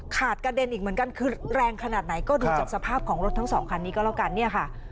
กระเด็นอีกเหมือนกันคือแรงขนาดไหนก็ดูจากสภาพของรถทั้งสองคันนี้ก็แล้วกันเนี่ยค่ะ